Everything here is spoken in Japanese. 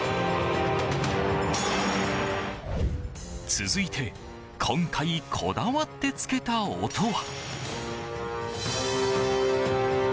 続いて今回こだわってつけた音は。